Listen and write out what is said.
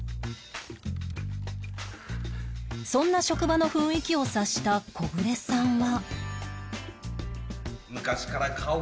そんな職場の雰囲気を察したコグレさんは